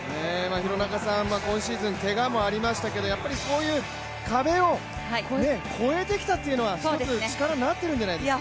廣中さんは今シーズン、けがもありましたけど、そういう壁を越えてきたというのはひとつ力になっているんじゃないですか。